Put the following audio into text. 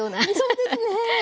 そうですね。